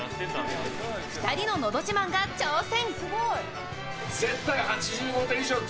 ２人の、のど自慢が挑戦！